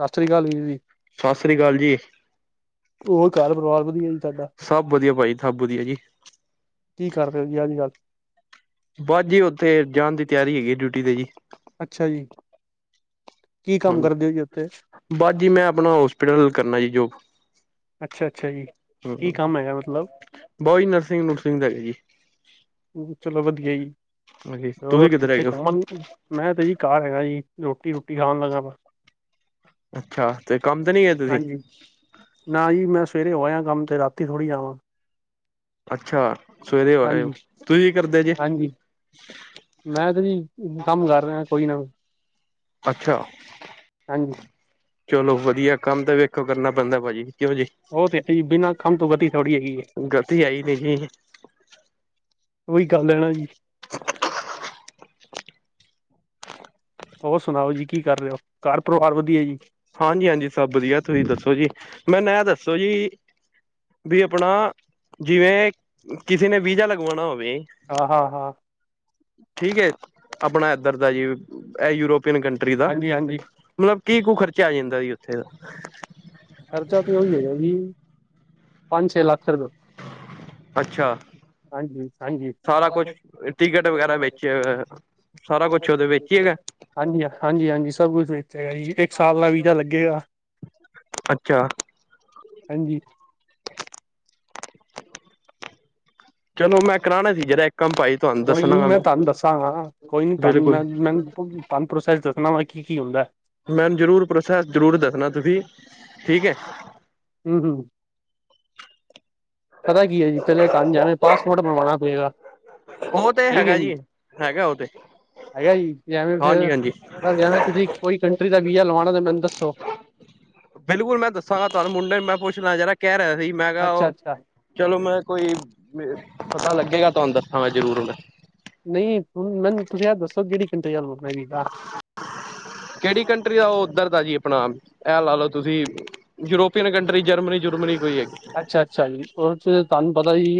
ਸਤਿ ਸ਼੍ਰੀ ਅਕਾਲ ਵੀ ਵੀ ਸਤਿ ਸ਼੍ਰੀ ਅਕਾਲ ਜੀ ਹੋਰ ਘਰ ਪਰਿਵਾਰ ਵਦੀਆ ਜੀ ਤਾਡਾ? ਸਭ ਵਧੀਆ ਭਾਜੀ, ਸਭ ਵਧੀਆ ਜੀ। ਕੀ ਕਾਰ ਦੇ ਹੋ ਜੀ ਅੱਜ-ਕੱਲ? ਬਸ ਜੀ ਉੱਥੇ ਜਾਣ ਦੀ ਤਿਆਰੀ ਹੈਗੀ ਡਿਊਟੀ ਤੇ ਜੀ ਅੱਛਾ ਜੀ। ਕੀ ਹਾਂ, ਕੰਮ ਕਰਦੇ ਹੋ ਜੀ ਉੱਥੇ ਬਸ ਜੀ ਮੈਂ ਆਪਣਾ ਹੋਸਪਿਟਲ ਕਰਨਾ ਜੀ ਜੋਬ। ਅੱਛਾ-ਅੱਛਾ ਜੀ, ਹਮ ਕੀ ਕੰਮ ਹੈਗਾ ਮਤਲਬ? ਬਈ ਨਰਸਿੰਗ ਨੁਰਸਿੰਗ ਦਾ ਹੈਗਾ ਜੀ ਚਲੋ ਵਧੀਆ ਜੀ ਹਾਂਜੀ ਤੁਸੀਂ ਹੋਰ ਕਿੱਧਰ ਕਿੱਥੇ ਹੈਗੇ ਹੋ ਘੁੰਮਣ ਮੈਂ ਤੇ ਜੀ ਘਰ ਹੈਗਾ ਜੀ ਰੋਟੀ ਰੂਟੀ ਖਾਣ ਲੱਗਾ ਵਾ ਅੱਛਾ ਤੇ ਕੰਮ ਤੇ ਨੀ ਗਏ ਤੁਸੀ ਹਾਂਜੀ ਨਾ ਜੀ ਮੈਂ ਸਵੇਰੇ ਹੋ ਆਇਆ ਕੰਮ ਤੇ ਰਾਤੀ ਥੋੜੀ ਆਵਾਂ ਅੱਛਾ ਸਵੇਰੇ ਹੋ ਆਏ ਹੋ, ਹਾਂਜੀ ਤੁਹੀਂ ਕੀ ਕਰਦੇ ਜੇ? ਹਾਂਜੀ ਮੈਂ ਤਾ ਜੀ, ਕੰਮ ਕਰ ਰਿਹਾ ਕੋਈ ਨਾ। ਅੱਛਾ ਹਾਂਜੀ ਚਲੋ ਵਧੀਆ ਕੰਮ ਤਾਂ ਵੇਖੋ ਕਰਨਾ ਪੈਂਦਾ ਭਾਜੀ ਕਿਉਂ ਜੀ ਉਹ ਤੇ ਬਿਨਾਂ ਕੰਮ ਤੋਂ ਵਧੀ ਥੋੜੀ ਹੈਗੀ ਹੈ। ਗਲਤੀ ਆਈ ਨੀ ਜੀ ਉਹੀ ਗੱਲ ਹੈ ਨਾ ਜੀ। ਹੋਰ ਸੁਣਾਓ ਜੀ ਕੀ ਕਰ ਰਹੇ ਹੋ ਘਰ ਪਰਿਵਾਰ ਵਧੀਆ ਜੀ ਹਾਂਜੀ ਹਾਂਜੀ ਸਭ ਵਧੀਆ ਤੁਸੀਂ ਦੱਸੋ ਜੀ ਮੈਨੂੰ ਇਹ ਦੱਸੋ ਜੀ ਵੀ ਆਪਣਾ ਜਿਵੇਂ ਕਿਸੇ ਨੇ ਵੀਜ਼ਾ ਲਗਵਾਉਣਾ ਹੋਵੇ ਹਾਂ, ਹਾਂ-ਹਾਂ ਠੀਕ ਏ ਆਪਣਾ ਇੱਧਰ ਦਾ ਜੀ ਇਹ ਯੂਰੋਪੀਅਨ ਕੰ ਟਰੀ ਦਾ, ਹਾਂਜੀ ਹਾਂਜੀ ਮਤਲਬ ਕੀ ਕੁ ਖਰਚਾ ਆ ਜਾਂਦਾ ਜੀ ਓਥੇ ਦਾ। ਖਰਚਾ ਤਾਂ ਉਹੀ ਹੈਗਾ ਜੀ ਪੰਜ ਛੇ ਲੱਖ ਰੁਪਏ ਅੱਛਾ। ਸਾਰਾ ਕੁਛ, ਟਿਕਟ ਵਗੈਰਾ ਵਿਚ ਸਾਰਾ ਕੁਛ ਉਦੇ ਵਿਚ ਈ ਹੈਗਾ। ਹਾਂਜੀ ਹਾਂਜੀ ਹਾਂਜੀ ਸਭ ਕੁਛ ਵੇਚੇਗਾ ਜੀ ਇੱਕ ਸਾਲ ਦਾ ਵੀਜ਼ਾ ਲੱਗੇਗਾ ਅੱਛਾ। ਹਾਂਜੀ। ਚਲੋ ਮੈਂ ਕਰਾਣਾ ਸੀ ਜਿਹੜਾ ਇੱਕ ਕੰਮ ਭਾਈ ਤੁਹਾਨੂੰ ਕੋਈ ਨੀ ਦੱਸਣਾਗਾ ਮੈਂ ਧਾ ਦਸਾਗਾ ਬਿਲਕੁਲ ਮੈ ਮੈ ਪੋ ਪ੍ਰੋਸੈਸ ਵਾਂ ਕੀ-ਕੀ ਹੁੰਦਾ ਆ ਮੈਮ ਜ਼ਰੂਰ ਪ੍ਰੋਸੈਸ ਜ਼ਰੂਰ ਦੱਸਣਾ ਤੁਸੀਂ ਠੀਕ ਹੈ। ਹੂੰ-ਹੂੰ ਪਤਾ ਕੀ ਹੈ ਜੀ ਪਹਿਲੇ ਤੇ ਜਾਣੇ ਪਾਸਪੋਰਟ ਮੰਗਵਾਉਣਾ ਪਏਗਾ ਉਹ ਤੇ ਠੀਕ ਹੈ ਹੈਗਾ ਜੀ ਹੈਗਾ ਉਹ ਤੇ ਹੈਗਾ ਜੀ, ਜੈਵੇਂ ਹਾਂਜੀ ਹਾਂਜੀ ਫੇਰ ਜੈਵੇਂ ਤੁਸੀਂ ਕੋਈ ਕੰਟਰੀ ਦਾ ਬੀਜਾ ਲਵਾਣਾ, ਤਾਂ ਮੈਨੂੰ ਦੱਸੋ। ਬਿਲਕੁਲ, ਮੈਂ ਦੱਸਾਂਗਾ ਤੁਵਾਨੂੰ। ਮੁੰਡੇ ਨੂੰ ਮੈਂ ਪੁੱਛਲਾ ਜਰਾ, ਕੈ ਰੇਹਾ ਸੀ ਮੈਂ ਕੇਆ ਅੱਛਾ ਓ ਅੱਛਾ ਚਲੋ ਮੈਂ ਕੋਈ ਪਤਾ ਲੱਗੇਗਾ ਤੁਹਾਨੂੰ ਦੱਸਾਂ ਜ਼ਰੂਰ ਮੈਂ ਨਈ ਹੁਣ ਮੈਨੂੰ ਤੁਸੀਂ ਏਹ ਦੱਸੋ ਕੇਹੜੀ ਕੰਟਰੀ ਦਾ ਲਵਾਣਾ ਏ ਵੀਜ਼ਾ? ਕਿਹੜੀ ਕੰਟਰੀ ਦਾ ਉਹ ਉੱਧਰ ਦਾ ਜੀ ਆਪਣਾ ਇਹ ਲਾ ਲਓ ਤੁਸੀਂ ਯੂਰੋਪੀਅਨ ਕੰਟਰੀ ਜਰਮਨੀ ਜੁਰਮਨੀ ਕੋਈ ਹੈਗੀ ਅੱਛਾ ਅੱਛਾ ਜੀ ਉਹਦੇ ਚ ਤੁਹਾਨੂੰ ਪਤਾ ਜੀ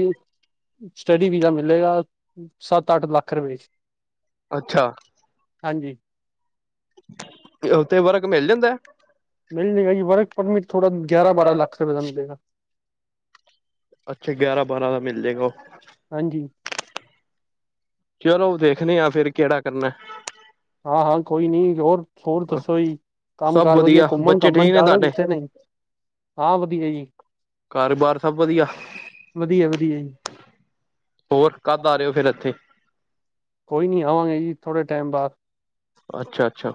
ਸਟੱਡੀ ਵੀਜ਼ਾ ਮੀਲੇਗਾ, ਸੱਤ-ਅੱਠ ਲੱਖ ਰੁਪਏ ਚ। ਅੱਛਾ। ਹਾਂਜੀ ਤੇ ਉੱਤੇ ਵਰਗ ਮਿਲ ਜਾਂਦਾ ਮਿਲ ਜਾਏਗਾ ਜੀ ਵਰਕ ਪਰਮਿਟ ਥੋੜਾ ਗਿਆਰ ਬਾਰਾਂ ਲੱਖ ਰੁਪਏ ਦਾ ਮਿਲੇਗਾ। ਅੱਛਾ ਗਿਆਰਾਂ ਬਾਰਾਂ ਦਾ ਮਿਲ ਜਾਏਗਾ ਉਹ ਹਾਂਜੀ ਚਲੋ ਦੇਖਣੇ ਆ ਫਿਰ ਕਿਹੜਾ ਕਰਨਾ। ਹਾਂ-ਹਾਂ, ਕੋਈ ਨੀ ਹੋਰ, ਹੋਰ ਦੱਸੋ ਜੀ ਕੰਮ ਸਭ ਕਾਰ ਵਧੀਆ ਬੱਚੇ ਘੁੰਮਣ-ਘਾਮਣ ਠੀਕ ਨੇ ਜਾ ਰੇ ਤੁਹਾਡੇ ਕਿੱਥੇ ਨਈ? ਹਾਂ ਵਧੀਆ ਜੀ ਕਾਰ ਬਾਰ ਸਵ ਵਦੀਆ? ਵਧੀਆ ਵਧੀਆ ਜੀ ਹੋਰ, ਕਦ ਆ ਰਹੇ ਓ ਫੇਰ ਇੱਥੇ? ਕੋਈ ਨੀ ਆਵਾਂਗੇ ਜੀ ਥੋੜੇ ਟੈਮ ਬਾਦ ਅੱਛਾ- ਅੱਛਾ।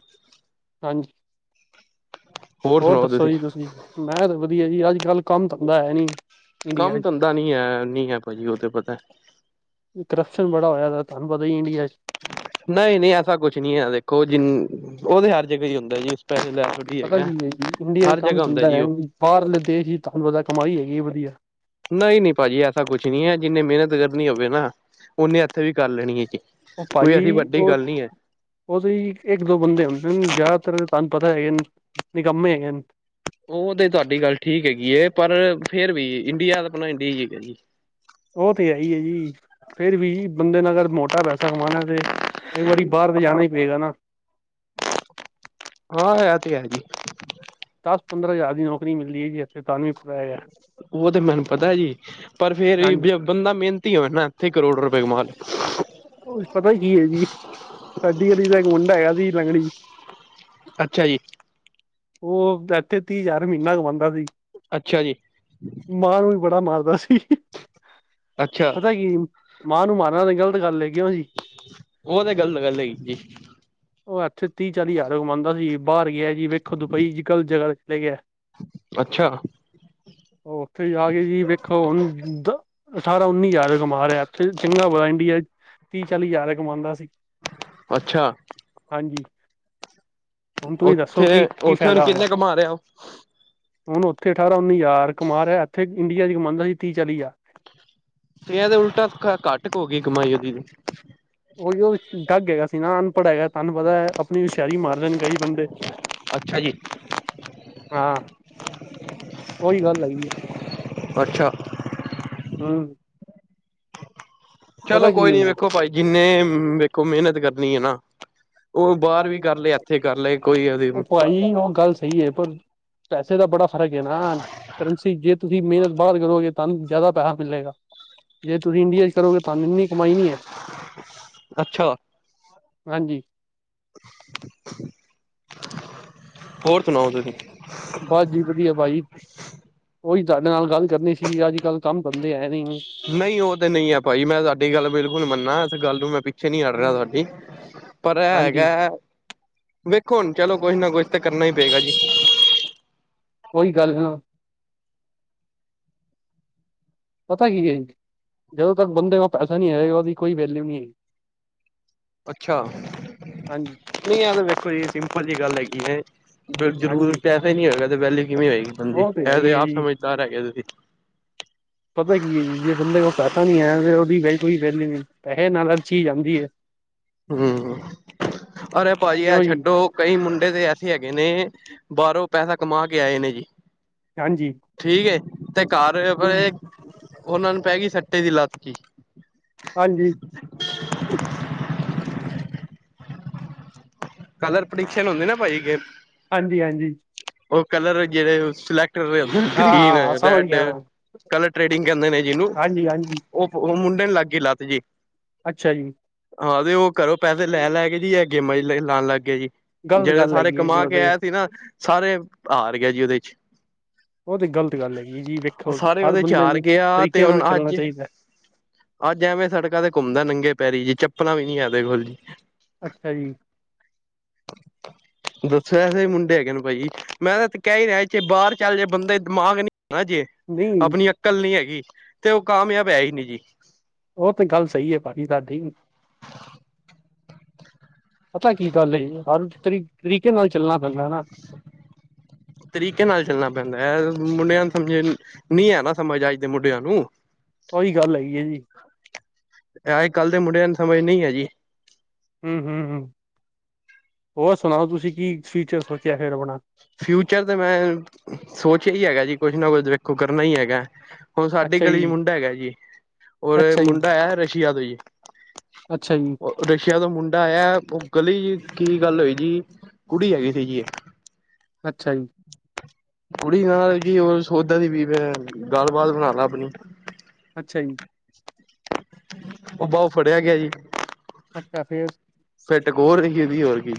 ਹਾਂਜੀ ਹੋਰ ਸੁਣਾਓ ਦੱਸੋ ਤੁਸੀਂ ਜੀ ਤੁਸੀ ਮੈਂ ਤਾਂ ਵਧੀਆ ਜੀ ਅੱਜ ਕੱਲ ਕੰਮ ਧੰਦਾ ਹੈ ਨੀ। ਇੰਡੀਆ ਕੰਮ ਚ ਧੰਦਾ ਨੀ ਹੈ ਨੀ ਹੈ ਭਾਜੀ ਉਹ ਤੇ ਪਤਾ ਕਰਪਸ਼ਨ ਬੜਾ ਹੋਇਆ ਹੈ ਤੁਹਾਨੂੰ ਪਤਾ ਹੀ ਇੰਡੀਆ ਚ ਨਈ-ਨਈ ਐਸਾ ਕੁਛ ਨਈ ਐ ਦੇਖੋ, ਜੀਂ ਓ ਤੇ ਹਰ ਜਗਾ ਈ ਹੁੰਦਾ ਜੀ ਸਪੈਸਲ ਆ ਥੌ ਪਤਾ ਕੀ ਐ ਈਡੀਆ ਚ ਕੰਮ ਚੱਲਦਾ ਹੈ ਨੀ, ਬਾਰਲੇ ਦੇਸ਼ ਦੀ ਧਾਨੂੰ ਪਤਾ ਕਮਾਈ ਹੈਗੀ ਐ ਵਧੀਆ। ਨਹੀਂ-ਨਹੀਂ ਭਾਜੀ, ਐਸਾ ਕੁਛ ਨੀ ਹੈ। ਜਿੰਨੇ ਮੇਨਤ ਕਰਨੀ ਹੋਵੇ ਨਾ, ਓਨੇ ਇੱਥੇ ਵੀ ਕਾਰ ਲੈਣੀ ਹੈ ਜੀ। ਉਹ ਕੋਈ ਐਸੀ ਭਾਜੀ ਵੱਡੀ ਉਹ ਗੱਲ ਨਈ ਏ। ਉਹ ਤਾਂ ਹੀ ਇੱਕ ਦੋ ਬੰਦੇ ਹੁੰਦੇ ਹਨ ਜ਼ਿਆਦਾਤਰ ਤੁਹਾਨੂੰ ਪਤਾ ਹੈਗੇ ਨਿਕੰਮੇ ਹੈਗੇ ਹਨ। ਉਹ ਤੇ ਤੁਆਡੀ ਗੱਲ ਠੀਕ ਹੈਗੀ ਏ, ਪਰ ਫੇਰ ਵੀ ਇੰਡੀਆ ਤਾ ਅਪਣਾ ਇੰਡੀਆ ਹੀ ਹੈਗਾ ਜੀ। ਉਹ ਤੇ ਹੈ ਹੀ ਹੈ ਜੀ ਫਿਰ ਵੀ ਬੰਦੇ ਨੇ ਅਗਰ ਮੋਟਾ ਪੈਸਾ ਕਮਾਣਾ ਤੇ ਇੱਕ ਵਾਰੀ ਬਾਰ ਲੇ ਜਾਣਾ ਹੀ ਪਏਗਾ ਨਾ। ਹਾਂ ਹੈ ਤੇ ਜੀ ਦਸ-ਪੰਦਰਾਂ ਹਜ਼ਾਰ ਦੀ ਨੌਕਰੀ ਮੀਲਗੀ ਆ ਓ ਤੇ ਮੈਨ ਪਤਾ ਏ ਜੀ, ਪਰ ਫੇਰ ਹਾਂਜੀ ਬੀ ਬੰਦਾ ਮੇਨਤੀ ਹੋਵੇ ਨਾ, ਐਥੇ ਈ ਕਰੋੜ ਰਪੇ ਕਮਾ ਲੇਗਾ। ਓਈ ਪਤੈ ਕੀ ਏ ਜੀ, ਸਾਡੀ ਗਲੀ ਦਾ ਇੱਕ ਮੁੰਡਾ ਹੈਗਾ ਸੀ ਲੰਗੜੀ ਅੱਛਾ ਜੀ। ਓ ਐਥੇ ਤੀਹ ਹਜਾਰ ਮ੍ਹੀਨਾ ਕਮਾਂਦਾ ਸੀ। ਅੱਛਾ ਜੀ। ਮਾਂ ਨੂੰ ਵੀ ਬੜਾ ਮਾਰਦਾ ਸੀ। ਅੱਛਾ। ਪਤਾ ਕੀ ਮਾਂ ਨੂੰ ਮਾਰਨਾ ਤੇ ਗਲਤ ਗੱਲ ਏ, ਕੇਓ ਜੀ? ਓ ਤੇ ਗੱਲ-ਗੱਲ ਹੈਗੀ ਜੀ। ਓ ਐਥੇ ਤੀਹ-ਚਾਲੀ ਹਜਾਰ ਕਮਾਂਦਾ ਸੀ, ਬਾਰ ਗੇਆ ਜੀ ਵੇਖੋ ਦੁਬਈ ਈਜਕੱਲ ਜਗ੍ਹਾ ਚਲਾ ਗੇਆ ਅੱਛਾ। ਓਥੇ ਜਾ ਕੇ ਜੀ ਵੇਖੋ ਹੂਨ ਦ ਸਾਰਾ ਉੱਨੀ ਹਜ਼ਾਰ ਕਮਾ ਰਿਹਾ ਇਥੇ ਚੰਗਾ ਬੜਾ ਇੰਡੀਆ ਤੀਹ ਚਾਲੀ ਹਜ਼ਾਰ ਕਮਾਂਦਾ ਸੀ। ਅੱਛਾ। ਹਾਂਜੀ, ਹੁਨ ਤੁਸੀਂ ਦੱਸੋ ਕਿ-ਕੀ ਉੱਥੇ-ਉੱਥੇ ਹੁਣ ਫੈਦਾ ਹੋਏਆ? ਕਿੰਨੇ ਕਮਾ ਰਿਹਾ ਉਹ ਹੁਣ ਓਥੇ ਠਾਰਾਂ ਉੱਨੀ ਜ਼ਾਰ ਕਮਾ ਰਿਹਾ, ਏਥੇ ਇੰਡੀਆ ਚ ਕਮਾਂਦਾ ਸੀ ਤੀਹ ਚਾਲੀ ਜ਼ਾਰ। ਸਵੇਰ ਦੇ ਉਲਟਾ ਘੱਟ ਕੁ ਹੋ ਗਈ ਕਮਾਈ ਉਹਦੀ ਵੀ ਓਈ ਓ ਡੱਗ ਹੇਗਾ ਸੀ ਨਾ, ਅਨਪੜ ਹੈਗੈ ਤ੍ਹਾਨ ਪਤੈ ਆਪਨੀ ਹੂਸੇ਼ਆਰੀ ਮਾਰਦੇਣ ਕਈ ਬੰਦੇ। ਅੱਛਾ ਜੀ। ਹਾਂ, ਓਈ ਗਾੱਲ ਹਾਈ ਏ। ਅੱਛਾ। ਹੂੰ। ਚਲੋ ਪਤਾ ਕੀ ਕੋਈ ਹੈ ਨੀ, ਵੇਖੋ ਭਾਈ ਜਿੰਨੇ ਵੇਖੋ ਮੇਹਨਤ ਕਰਨੀ ਏ ਨਾ ਓ ਬਾਰ ਵੀ ਕਾਰ ਲੈ, ਐਥੇ ਕਾਰ ਲੈ ਕੋਈ ਓਦੀ [inaudible] ਸਈ ਏ। ਪਰ ਪੈਸੇ ਦਾ ਬੜਾ ਫ਼ਰਕ ਏ ਨਾ, ਕਰੰਸੀ ਜੇ ਤੁਸੀਂ ਮੇਨਤ ਬਾਰ ਕਰੋਗੇ। ਤੁਹਾਨੂੰ ਜ਼ਿਆਦਾ ਪੈਹਾ ਮਿਲੇਗਾ, ਜੇ ਤੁਸੀਂ ਇੰਡੀਆ ਚ ਕਰੋਗੇ ਤੁਆਨੂੰ ਇੰਨੀ ਕਮਾਈ ਨੀ ਹੈ ਅੱਛਾ ਹਾਂਜੀ। ਹੋਰ ਸੁਨਾਓ ਤੁਸੀਂ? ਬਾਸ ਜੀ ਵਦੀਆ ਭਾਜੀ, ਓਈ ਤੁਆਡੇ ਨਾਲ ਗਾੱਲ ਕਰਨੀ ਸੀ ਆਜ-ਕਾੱਲ ਕਾੰਮ ਬਨਦੇ ਹੈ [inaudible] ਨਈ ਓ ਤੇ ਨਈ ਐ ਭਾਜੀ, ਮੈਂ ਤਾੱਡੀ ਗਾੱਲ ਬਿਲਕੁਲ ਮੰਨਾ ਇਸ ਗੱਲ ਨੂੰ ਮੈਂ ਪਿੱਛੇ ਨੀ ਹਾਟ ਰੇਆ ਤਾੱਡੀ। ਪਰ ਐ ਹੈਗੈ, ਹਾਂਜੀ ਵੇਖੋ ਹੋਨ ਚਲੋ ਕੋਛ ਨਾ ਕੋਛ ਤਾਂ ਕਰਨਾ ਈ ਪੇਗਾ ਜੀ। ਓਈ ਗਾੱਲ ਏ ਨਾ। ਪਤਾ ਕੀ ਏ, ਜਦੋਂ ਤੱਕ ਬੰਦੇ ਕੋਲ ਪੈਸਾ ਨਈ ਆਏਗਾ ਓਦੀ ਕੋਈ ਵੈਲਿਊ ਨੀ ਏ। ਅੱਛਾ, ਹਾਂਜੀ ਨਈ ਐ ਤੇ ਵੇਖੋ ਜੀ ਸਿੰਪਲ ਜੀ ਗਾੱਲ ਹੈਗੀ ਏ ਜ ਜਰੂਰ ਹਾਂਜੀ ਪੈਸੇ ਨੀ ਹੋਏਗਾ, ਤੇ ਵੈਲਊ ਕਿਵੇਂ ਹੋਏਗੀ ਬੰਦੇ ਉਹ ਦੀ ਹੈ ਐ ਤੇ ਹੀ ਹੈ ਆਪ ਜੀ ਸਮਜਦਾਰ ਹੈਗੇ ਓ ਤੁਸੀ। ਪਤਾ ਕੀ ਐ ਜੀ, ਜੇ ਬੰਦੇ ਕੋਲ ਪੈਸਾ ਨੀ ਐ ਫੇਰ ਓਦੀ ਕੋਈ ਵੈਲਊ ਨੀ ਪੈਹੇ ਨਾਲ ਹਰ ਚੀਜ ਆਂਦੀ ਏ। ਹੂੰ, ਅਰੇ ਭਾਜੀ ਐ ਕਿਉਂ ਜੀ ਛੱਡੋ ਕਈ ਮੁੰਡੇ ਤੇ ਐਸੇ ਹੈਗੇ ਨੇ, ਬਾਰੋਂ ਪੈਸਾ ਕਮਾ ਕੇ ਆਏ ਨੇ ਜੀ ਹਾਂਜੀ ਠੀਕ ਏ, ਤੇ ਘਰ ਹੂੰ ਓਹਨਾਂ ਨੂੰ ਪੈ ਗਈ ਸੱਟੇ ਦੀ ਲਾਤ ਕੀ? ਹਾਂਜੀ। ਕਲਰ ਪ੍ਰਡੀਕਸ਼ਨ ਹੁੰਦੇ ਨਾ ਭਾਜੀ ਗ ਹਾਂਜੀ-ਹਾਂਜੀ। ਓ ਕਲਰ ਜੇੜੇ ਓ, ਸਿਲੈਕਟ ਹੋਏ ਹੁੰਦੇ ਨ ਹਾਂ ਗ੍ਰੀਨ, ਹਾਂ ਹਾਂ ਸਮਝ ਰੈਡ ਗਿਆ ਕਲਰ ਟ੍ਰੇਡਿੰਗ ਕੈਂਦੇ ਨੇ ਜਿਨੂੰ, ਹਾਂਜੀ ਹਾਂਜੀ ਓ ਓ ਮੁੰਡੇ ਨੂੰ ਲਾੱਗ ਗੀ ਲਾੱਤ ਜੀ। ਅੱਛਾ ਜੀ। ਹਾਂ, ਤੇ ਓ ਘਰੋ ਪੈਸੇ ਲੈ-ਲੈ ਕੇਜੀ ਐ ਗੇਮਾਂ ਚ ਲੀਖਨ ਲਾੱਗ ਗੇਆ ਜੀ। ਗ਼ਲਤ ਜੇੜੇ ਗੱਲ ਸਾਰੇ ਹੈਗੀ ਹੈ ਜੀ ਕਮਾ ਉਹ ਕੇ ਤੇ ਆਏਆ ਸੀ ਨਾ, ਸਾਰੇ ਹਾਰ ਗੇਆ ਜੀ ਓਦੇ ਚ ਓ ਤੇ ਗ਼ਲਤ ਗੱਲ ਹੈਗੀ ਏ ਜੀ, ਉਹ ਵੇਖੋ ਸਾਰੇ ਹਾਰ ਉਹਦੇ ਚ ਬੰਦੇ ਨੂੰ ਗਿਆ ਤਰੀਕੇ ਨਾਲ ਚੱਲਨਾ ਚਾਈਦੈ। ਆੱਜ ਐਵੇਂ ਸੜਕਾਂ ਤੇ ਘੁੰਮਦੈ, ਨੰਗੇ ਪੈਰੀ ਜੀ ਚੱਪਲਾਂ ਵੀ ਨੀ ਐ ਐਦੇ ਦੇ ਕੋੋਲ ਜੀ। ਅੱਛਾ ਜੀ। ਦੱਸੋ, ਐਸੇ ਵੀ ਮੁੰਡੇ ਹੈਗੇ ਨੂੰ ਭਾਜੀ। ਮੈਂ ਤੇ ਕੈਈ ਰੇਆ, ਚਏ ਬਾਰ ਚੱਲ ਜੇ ਬੰਦੇ ਦਿਮਾਗ ਨਈ ਆ ਨਾ ਜੇ ਨਹੀਂ ਆਪਣੀ ਅਕਲ ਨੀ ਹੈਗੀ, ਤੇ ਓ ਕਾਮਯਾਬ ਹੈ ਈ ਨੀ ਜੀ। ਓ ਤੇ ਗਾੱਲ ਸਈ ਏ ਭਾਜੀ ਤਾਹਡੀ। ਪਤਾ ਕੀ ਗਾੱਲ ਏ ਜੀ, ਹਰ ਤਰੀ ਤਰੀਕੇ ਨਾਲ ਚੱਲਨਾ ਪੈਂਦੈ ਏ ਨਾ ਤਰੀਕੇ ਨਾਲ ਚੱਲਣਾ ਪੈਂਦਾ ਐ ਮੁੰਡੇਆਂ ਨੂੰ ਸਮਝ ਨੀ ਐ ਨਾ ਸਮਝ ਅੱਜ ਦੇ ਮੁੰਡੇਆਂ ਨੂੰ। ਓਈ ਗਾੱਲ ਹੈਗੀ ਏ ਜੀ। ਐ ਆਜ-ਕਾੱਲ, ਦੇ ਮੁੰਡੇਆਂ ਨੂੰ ਸਮਜ ਨੀ ਐ ਜੀ। ਹੂੰ, ਹੂੰ ਹੋਰ ਸੁਣਾਓ ਤੁਸੀਂ ਕੀ ਫੀਚਰ ਸੋਚੇਆ ਫੇਰ ਆਪਣਾ? ਫਿਊਚਰ ਤਾਂ ਮੈਂ, ਸੋਚੀ ਲੇਆ ਏ ਜੀ ਕੁਛ ਨਾ ਕੁਛ ਤਾਂ ਵੇਖੋ ਕਰਨਾ ਈ ਹੈਗੈ। ਹੋਨ ਸਾਡੀ ਅੱਛਾ ਗਲੀ ਚ ਜੀ ਮੁੰਡਾ ਹੈਗੈ ਜੀ, ਓਰ ਅੱਛਾ ਜੀ ਮੁੰਡਾ ਹੈ ਰਸ਼ੀਆ ਤੋਂ ਜੀ। ਅੱਛਾ ਜੀ। ਰਸ਼ਿਆ ਦਾ ਮੁੰਡਾ ਆਇਆ, ਉਹ ਗਲੀ, ਕੀ ਗੱਲ ਹੋਈ ਜੀ, ਕੁੜੀ ਹੈਗੀ ਸੀ ਜੀ। ਅੱਛਾ ਜੀ। ਕੁੜੀ ਨਾਲ ਕੀ ਹੋ ਸੋਦਾ ਦੀ ਵੀ, ਮੈਂ ਗੱਲਬਾਤ ਬਣਾ ਲੈ ਆਪਣੀ। ਅੱਛਾ ਜੀ। ਉਹਦਾ, ਉਹ ਫੜਿਆ ਗਿਆ ਜੀ ਅੱਛਾ ਫੇਰ। ਫਿਰਟਕ ਹੋਰ ਰਹੀ ਉਹਦੀ ਹੋਰ ਕੀ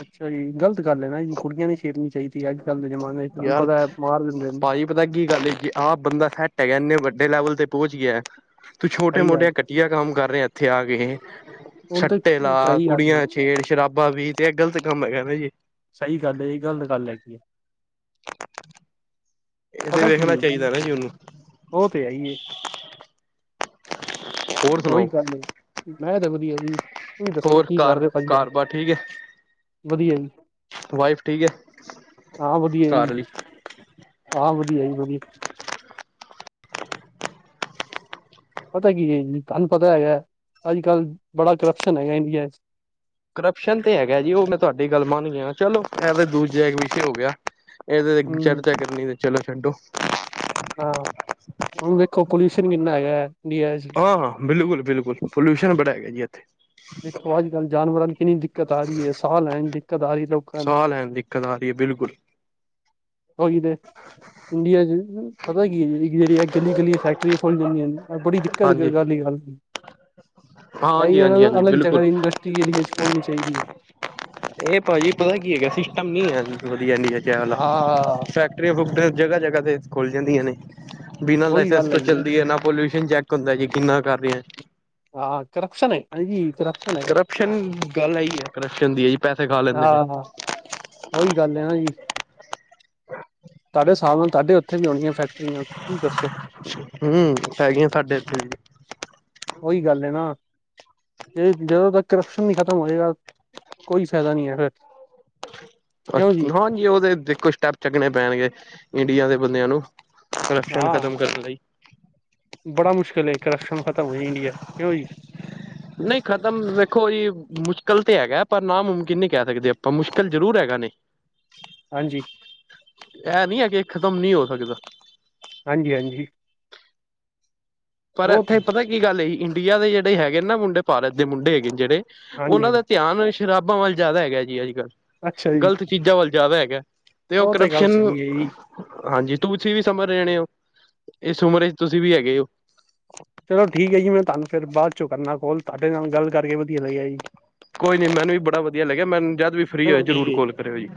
ਅੱਛਾ ਜੀ, ਗ਼ਲਤ ਗੱਲ ਹੈ ਨਾ ਜੀ ਕੁੜੀਆਂ ਨਹੀ ਛੇੜਨੀ ਚਾਹੀਦੀ ਹੈ, ਅੱਜ- ਕੱਲ ਦੇ ਜਮਾਨੇ 'ਚ ਤੁਹਾਨੂੰ ਯਾਰ ਪਤਾ, ਮਾਰ ਦਿੰਦੇ ਨੇ। ਭਾਜੀ ਪਤਾ ਕੀ ਗੱਲ ਹੈ, ਕਿ ਆਹ ਬੰਦਾ ਸੈਟ ਹੈਗਾ, ਇੰਨੇ ਵੱਡੇ ਲੈਵਲ ਤੇ ਪਹੁੰਚ ਗਿਆ, ਤੂੰ ਛੋਟੇ ਸਹੀ ਗੱਲ ਮੋਟੇ ਕਿਆ ਕੰਮ ਕਰ ਰੇਐ ਏਥੇ ਆ ਕੇ, ਏਹੇ ਹੁਣ ਤੇ ਸੱਟੇ ਲਾ ਸਹੀ ਗੱਲ ਹੈ, ਕੁੜੀਆਂ 'ਚ? ਖੇਡ ਸ਼ਰਾਬਾ ਬੀ ਤੇ, ਇਹ ਗ਼ਲਤ ਕੰਮ ਹੈਗਾ ਨਾ ਜੀ ਸਹੀ ਗੱਲ ਹੈ, ਇਹ ਗਲਤ ਗੱਲ ਹੈਗੀ ਹੈ। [inaudible] ਇਹਦੇ ਪਤਾ ਕੀ ਵੇਖਣਾ ਹੈ ਜੀ, ਚਾਹੀਦਾ ਨਾ ਉਹਨੂੰ ਉਹ ਤੇ ਹੈ ਹੀ ਏ ਹੋਰ ਉਹੀ ਸੁਣਾਓ ਗੱਲ, ਮੈਂ ਤਾਂ ਵਧੀਆ ਜੀ। ਤੁਸੀਂ ਦੱਸੋ, ਹੋਰ ਕੀ ਕਰ ਘਰ ਰਹੇ ਹੋ ਭਾਜੀ ਘਰ ਬਾਰ ਠੀਕ ਹੈ ਵਧੀਆ ਜੀ, ਵਾਈਫ ਠੀਕ ਹੈ ਹਾਂ ਵਧੀਆ ਜੀ। ਘਰ ਲਈ ਹਾਂ, ਵਧੀਆ ਜੀ ਵਧੀਆ ਪਤਾ ਕੀ ਹੈ ਜੀ, ਤੁਹਾਨੂੰ ਪਤਾ ਹੈਗਾ, ਅੱਜ- ਕੱਲ੍ਹ ਬੜਾ ਕਰਪਸ਼ਨ ਹੈਗਾ ਇੰਡੀਆ 'ਚ ਕਰਪਸ਼ਨ ਤੇ ਹੈਗਾ ਜੀ, ਉਹ ਮੈਂ ਤੁਹਾਡੀ ਗੱਲ ਮੰਨ ਰਿਹਾ, ਚਲੋ ਇਹ ਦੂਜੇ ਵਿਛੇ ਹੋ ਗਿਆ। ਇਹਦੇ ਤੇ ਹਮ ਚਰਚਾ ਕਰਨੀ, ਤੇ ਚਲੋ ਛੱਡੋ। ਹਾਂ, ਹੁਣ ਦੇਖੋ ਪੋਲਿਊਸ਼ਨ ਕਿੰਨਾ ਹੈਗਾ ਇੰਡੀਆ 'ਚ ਹਾਂ -ਹਾਂ, ਬਿਲਕੁਲ, ਬਿਲਕਲ ਪੋਲਿਊਸ਼ਨ ਬੜਾ ਹੈਗਾ ਜੀ ਇਥੇ ਦੇਖੋ ਅੱਜ -ਕੱਲ੍ਹ ਜਾਨਵਰਾਂ ਦੀ ਕਿੰਨੀ ਦਿੱਕਤ ਆ ਰਹੀ ਹੈ, ਸਾਹ ਲੈਣ ਦੀ ਦਿੱਕਤ ਆ ਰਹੀ ਹੈ। ਸਾਹ ਲੈਣ ਦਿੱਕਤ ਆ ਰਹੀ ਹੈ, ਬਿਲਕੁਲ। ਉਹੀ ਤੇ, ਇੰਡੀਆ 'ਚ ਪਤਾ ਕੀ ਜਿਹੜੀ ਇਕਲੀਆਂ ਇਕੱਲੀਆਂ ਫੈਕਟਰੀਆਂ ਖੋਲ੍ਹੀਆਂ ਜਾਂਦੀਆਂ ਬੜੀ ਦਿੱਕਤ ਹਾਂਜੀ ਅਲਗ, ਹਾਂਜੀ ਇਹੀ ਨਾ ਹਾਂਜੀ ਹਾਂਜੀ ਅਲਗ ਜਗਾ ਬਿਲਕੁਲ ਇਡੰਸਟਰੀਜ ਏਰੀਏ 'ਚ ਖੋਲਣੀ ਚਾਹੀਦੀ ਹੈ ਇਹ ਭਾਜੀ ਪਤਾ ਕੀ ਹੈਗਾ, ਸਿਸਟਮ ਨੀ ਹੈ ਵਧੀਆ ਇ ਚੈ ਵਾਲਾ ਹਾਂ ਫੈਕਟਰੀਆਂ, ਫੁਕਟਰੀਆਂ ਜਗਾ-ਜਗਾ ਤੇ ਖੁੱਲ ਜਾਂਦੀਆਂ ਨੇ, ਬੀਨਾਂ ਉਹੀ ਲਾਈਸੈਂਸ ਗੱਲ ਤੋਂ ਹੈਗੀ ਚੱਲਦੀ ਏ ਹੈ ਨਾ ਪਲ ਊਸ਼ਨ ਜੈ ਇਕ ਹੁੰਦਾ ਜੀ, ਕਿੰਨਾ ਕਰ ਰਹੇ ਹਾਂ। ਹਾਂ ਕਰਪਸ਼ਨ ਹੈ ਹਾਂਜੀ ਕਰਪਸ਼ਨ ਹੈਗਾ ਕਰਪਸ਼ਨ, ਗੱਲ ਆਹੀ ਹੈ ਕਰਪਸ਼ਨ ਦੀ ਹੈ ਜ ਆਹ, ਉਹੀ ਗੱਲ ਹੈ ਨਾ ਜੀ। ਤੁਹਾਡੇ ਸਾਹਮਣੇ, ਤੁਹਾਡੇ ਵੀ ਉਥੇ ਹੋਣੀਆਂ ਫੈਕਟਰੀਆਂ ਤੁਸੀਂ ਦੱਸੋ ਹਮ, ਹੈਗੀਆਂ ਸਾਡੇ ਇੱਥੇ ਵੀ। ਉਹੀ ਗੱਲ ਨਾ। ਇਹ, ਜਦੋਂ ਤੱਕ ਕਰਪਸ਼ਨ ਨਹੀਂ ਖ਼ਤਮ ਹੋਏਗਾ, ਕੋਈ ਫਾਇਦਾ ਨਹੀਂ ਫਿਰ। ਕਿਉਂ ਜੀ ਹਾਂਜੀ, ਉਹਦੇ ਦੇਖੋ ਸਟੈਪ ਚਕਣੇ ਪੈਣਗੇ, ਇੰਡੀਆ ਦੇ ਬੰਦਿਆਂ ਨੂੰ। ਕਰਪਸ਼ਨ ਹਾਂ ਖਤਮ ਕਰਨ ਲਈ ਬੜਾ ਮੁਸ਼ਕਿਲ ਹੈ, ਕਰਪਸ਼ਨ ਖਤਮ ਹੋਈ ਇੰਡੀਆ ਨਹੀਂ ਖ਼ਤਮ ਦੇੇਖੋ ਜੀ, ਮੁਸ਼ਕਿਲ ਤੇ ਹੈਗਾ, ਪਰ ਨਾਮੁਮਕਿਨ ਨਹੀਂ ਕਹਿ ਸਕਦੇ ਆਪਾਂ, ਮੁਸ਼ਕਿਲ ਜ਼ਰੂਰ ਹੈਗਾ ਨੇ। ਹਾਂਜੀ। ਇਹ ਨਹੀ ਹੈ ਕਿ, ਖਤਮ ਨਹੀ ਹੋ ਸਕਦਾ। ਹਾਂਜੀ, ਹਾਂਜੀ। ਪਰ ਉਹ ਇੱਥੇ ਤੇ ਪਤਾ ਕੀ ਗੱਲ ਏ, ਇੰਡੀਆ ਦੇ ਜਿਹੜੇ ਹੈਗੇ ਨਾ ਮੁੰਡੇ, ਭਾਰਤ ਦੇ ਮੁੰਡੇ ਹੈਗੇ ਨੇ ਜਿਹੜੇ ਹਾਂਜੀ ਉਹਨਾਂ ਹਾਂਜੀ ਦਾ ਧਿਆਨ ਸ਼ਰਾਬਾਂ ਵੱਲ ਜ਼ਿਆਦਾ ਹੈਗਾ ਜੀ ਅੱਜ- ਕੱਲ੍ਹ, ਅੱਛਾ ਜੀ ਗ਼ਲਤ ਚੀਜ਼ਾਂ ਵੱਲ ਜ਼ਿਆਦਾ ਹੈਗਾ, ਤੇ ਉਹ ਗੱਲ ਕਰਪਸ਼ਨ ਸਹੀ ਹੈ ਜੀ ਹਾਂਜੀ, ਤੁਸੀਂ ਵੀ ਸੰਭਰ ਰਹਿਣੇ ਹੋ, ਇਸ ਉਮਰੇ ਚ ਤੁਸੀਂ ਵੀ ਹੈਗੇ ਹੋ ਚਲੋ ਠੀਕ ਹੈ ਜੀ, ਮੈਂ ਤੁਹਾਨੂੰ ਫਿਰ ਬਾਅਦ 'ਚੋਂ ਕਰਨਾ ਕੋਲ, ਤੁਹਾਡੇ ਨਾਲ ਗੱਲ ਕਰਕੇ ਵਧੀਆ ਲੱਗਿਆ ਜੀ ਕੋਈ ਨੀ, ਮੈਨੂੰ ਵੀ ਬੜਾ ਵਧੀਆ ਲੱਗਿਆ, ਮੈਨੂੰ ਜਦ ਵੀ ਫਰੀ ਹੋਏ, ਚਲੋ ਠੀਕ ਜ਼ਰੂਰ ਹੈ ਕੋਲ ਕਰਿਓ ਜੀ